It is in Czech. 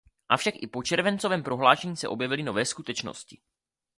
Avšak i po červencovém prohlášení se objevily nové skutečnosti.